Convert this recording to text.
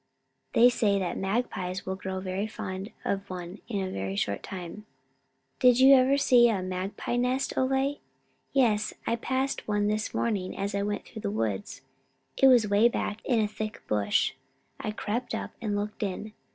They say that magpies will grow fond of one in a very short time." "Did you ever see a magpie's nest, Ole?" "Yes, I passed one this morning as I went through the woods. It was way back in a thick bush. I crept up and looked in.